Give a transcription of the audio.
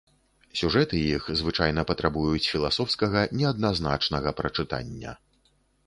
Сюжэты іх звычайна патрабуюць філасофскага, неадназначнага прачытання.